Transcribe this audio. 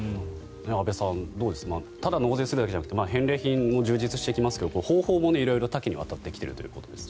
安部さんただ納税するだけじゃなくて返礼品も充実してきて方法も多岐にわたってきているということです。